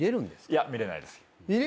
いや見れないです。